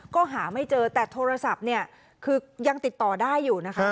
ก็หาไม่เจอแต่โทรศัพท์เนี่ยคือยังติดต่อได้อยู่นะคะ